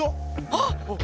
あっ！